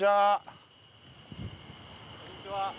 こんにちは。